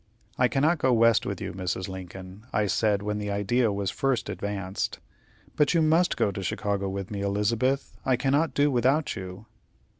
"I cannot go West with you, Mrs. Lincoln," I said, when the idea was first advanced. "But you must go to Chicago with me, Elizabeth; I cannot do without you."